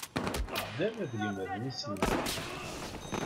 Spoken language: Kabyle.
Ddan ad gemren iselman.